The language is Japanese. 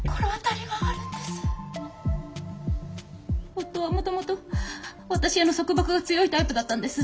夫はもともと私への束縛が強いタイプだったんです。